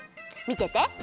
みてて。